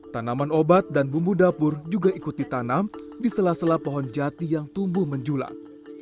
tanaman obat dan bumbu dapur juga ikut ditanam di sela sela pohon jati yang tumbuh menjulang